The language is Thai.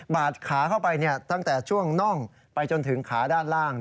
ขาเข้าไปตั้งแต่ช่วงน่องไปจนถึงขาด้านล่าง